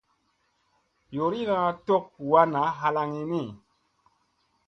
Yoorina tok huu wa naa halaŋ ni.